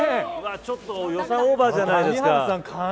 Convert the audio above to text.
ちょっと予算オーバーじゃないですか。